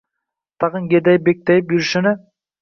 Tag‘in gerdayib-kekkayib yurishini